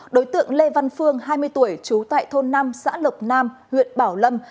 đối tượng lê văn phương hai mươi tuổi trú tại thôn năm xã lộc nam huyện bảo lâm